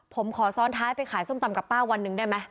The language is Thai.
ผมขอซ้อนท้ายไปขายส้มตำกับป้าวันหนึ่งได้ไหม